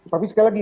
tapi sekali lagi